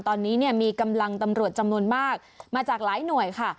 ตอนนี้เนี่ยมีกำลังตำรวจจำนวนมากมาจากหลายหน่วยค่ะ